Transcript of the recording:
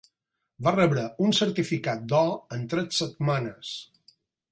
Va rebre un certificat d'or en tres setmanes.